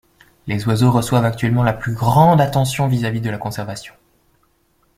Les oiseaux reçoivent actuellement la plus grande attention vis-à-vis de la conservation.